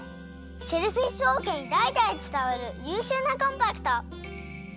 シェルフィッシュおうけにだいだいつたわるゆうしゅうなコンパクト！